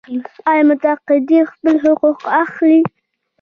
آیا متقاعدین خپل حقوق اخلي؟